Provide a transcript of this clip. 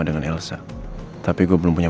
dengan elsa tapi gue belum punya